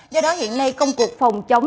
do đó hiện nay công cuộc phòng chống